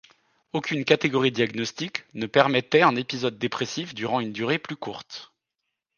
Aucune catégorie diagnostique ne permettait un épisode dépressif durant une durée plus courte.